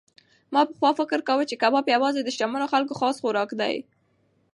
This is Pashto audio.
ما پخوا فکر کاوه چې کباب یوازې د شتمنو خلکو خاص خوراک دی.